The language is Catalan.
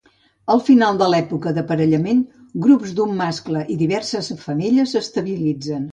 Al final de l'època d'aparellament, grups d'un mascle i diverses femelles s'estabilitzen.